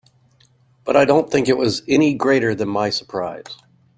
But I don't think it was any greater than my surprise.